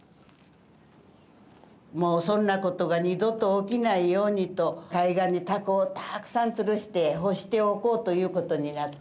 もうそんなことが二度と起きないようにと海岸にたこをたくさん吊るして干しておこうということになった。